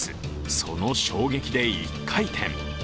その衝撃で１回転。